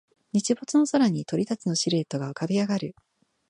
日没の空に鳥たちのシルエットが浮かび上がる